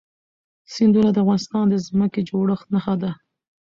سیندونه د افغانستان د ځمکې د جوړښت نښه ده.